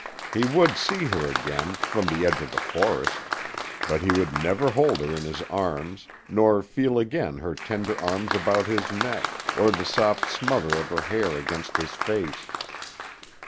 He would see her again from the edge of the forest; but he would never hold her in his arms, nor feel again her tender arms about his neck or the soft smother of her hair against his face.